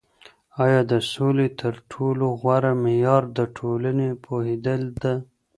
آیا د سولي تر ټولو غوره معیار د ټولني پوهیدل ده؟